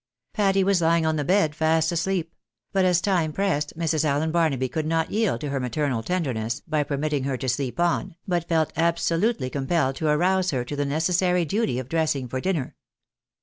Patty was lying on the bed fast asleep ; but as time pressed, Mrs. Allen Barnaby could not yield to her maternal tenderness, by permitting her to sleep on, but felt absolutely compelled to arouse her to the necessary duty of dressing for dinner.